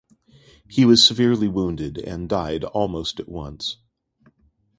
He was severely wounded and died almost at once.